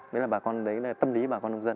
đấy là tâm lý bà con nông dân